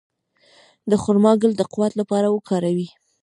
د خرما ګل د قوت لپاره وکاروئ